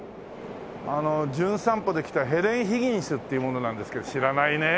あの『じゅん散歩』で来たヘレン・ヒギンスっていう者なんですけど知らないね？